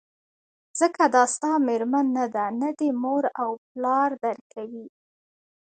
ځکه دا ستا مېرمن نه ده نه دي مور او پلار درګوري